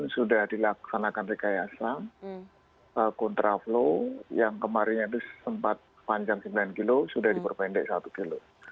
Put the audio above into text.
sudah dilaksanakan rekayasa kontraflow yang kemarin itu sempat panjang sembilan kilo sudah diperpendek satu kilo